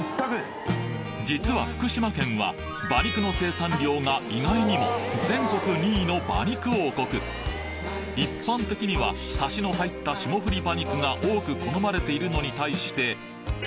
実は福島県は馬肉の生産量が意外にも全国２位の馬肉王国一般的にはサシの入った霜降り馬肉が多く好まれているのに対して福島県では筋肉質な軽種馬を多く飼育し